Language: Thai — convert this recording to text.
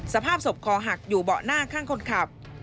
สภาพศพคอหักอยู่เบาะหน้าข้างคนขับ